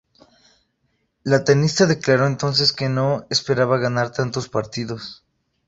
La tenista declaró entonces que no esperaba ganar tantos partidos.